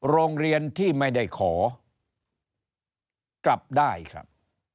โรงเรียนที่ไม่ได้ขอกลับได้ครับ